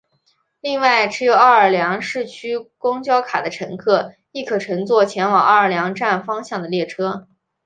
另外持有奥尔良市区公交卡的乘客亦可乘坐前往奥尔良站方向的列车。